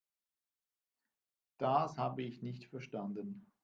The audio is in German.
Das habe ich nicht verstanden.